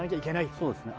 そうですね。